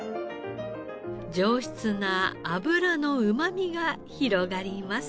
上質な脂のうまみが広がります。